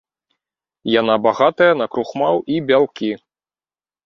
Яна багатая на крухмал і бялкі.